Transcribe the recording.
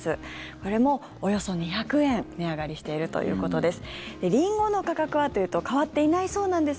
これも、およそ２００円値上がりしているということです。